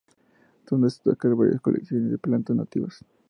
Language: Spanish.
Son de destacar varias colecciones de plantas nativas.